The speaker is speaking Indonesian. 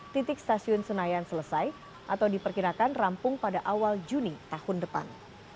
titik stasiun senayan selesai atau diperkirakan rampung pada awal juni tahun depan